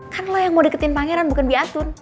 kan lah yang mau deketin pangeran bukan biatun